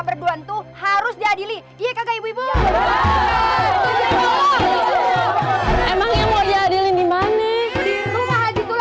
berdua tuh harus diadili iya kakak ibu ibu emang mau diadili dimana